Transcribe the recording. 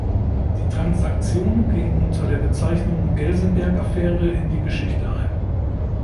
Die Transaktion ging unter der Bezeichnung Gelsenberg-Affäre in die Geschichte ein.